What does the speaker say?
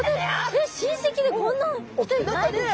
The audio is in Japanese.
私親せきでこんな人いないです！